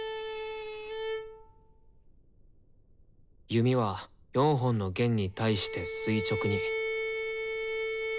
弓は４本の弦に対して垂直に。